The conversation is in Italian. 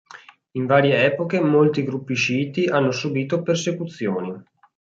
In varie epoche molti gruppi sciiti hanno subito persecuzioni.